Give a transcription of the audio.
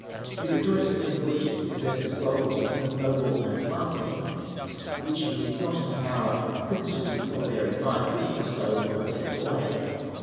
We rejoice that his Lordship possesses laurels more noble and lasting, which it is not in the power of princes nor their advisers to bestow or take away.